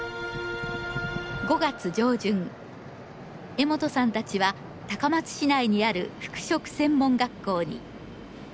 江本さんたちは高松市内にある服飾専門学校に。